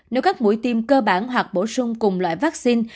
nếu các mũi tiêm cơ bản hoặc bổ sung cùng loại vaccine